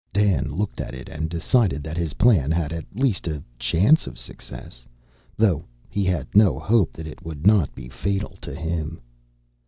Dan looked at it and decided that his plan had at least a chance of success though he had no hope that it would not be fatal to him.